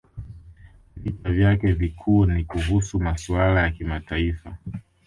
Vita vyake vikuu ni kuhusu masuala ya kimataifa